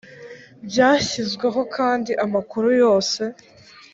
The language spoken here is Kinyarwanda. Bwashyizweho kandi amakuru yose